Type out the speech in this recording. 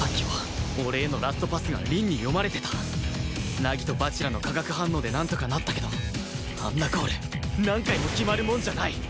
凪と蜂楽の化学反応でなんとかなったけどあんなゴール何回も決まるもんじゃない